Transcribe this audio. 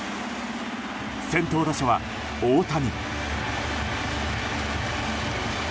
先頭打者は大谷。